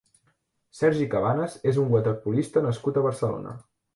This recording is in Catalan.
Sergi Cabanas és un waterpolista nascut a Barcelona.